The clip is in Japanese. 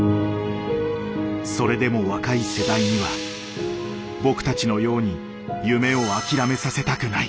それでも若い世代には僕たちのように夢を諦めさせたくない。